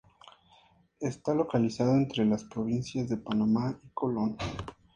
Está localizado entre las provincias de Panamá y Colón.